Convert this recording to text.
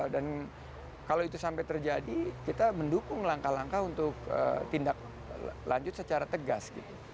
dan kalau itu sampai terjadi kita mendukung langkah langkah untuk tindak lanjut secara tegas